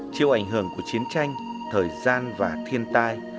chịu ảnh hưởng của chiến tranh thời gian và thiên tai